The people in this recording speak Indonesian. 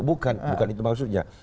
bukan bukan itu maksudnya